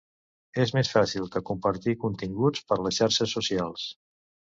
És més fàcil que compartir continguts per les xarxes socials.